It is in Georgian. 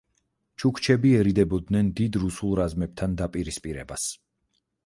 ჩუქჩები ერიდებოდნენ დიდ რუსულ რაზმებთან დაპირისპირებას.